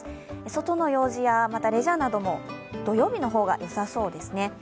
外の用事やレジャーなども土曜日の方がよさそうですね。